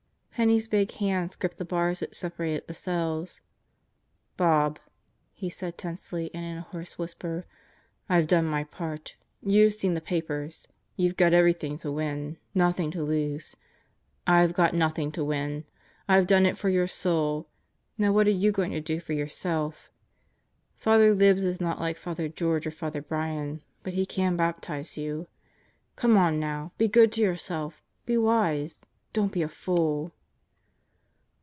Penney's big hands gripped the bars which separated the cells. "Bob," he said tensely and in a hoarse whisper, "Fve done my part. You've seen the papers. You've got everything to win; nothing to lose. Fve got nothing to win. I've done it for your soul. Now what are you going to do for yourself? Father Libs is not like Father George or Father Brian; but he can baptize you. Come on now, be good to yourself. ... Be wise. ... Don't be a fool.